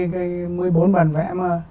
cái một mươi bốn bản vẽ mà